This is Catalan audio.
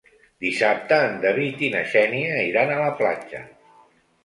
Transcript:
Dissabte en David i na Xènia iran a la platja.